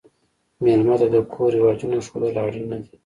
مېلمه ته د کور رواجونه ښودل اړین نه دي.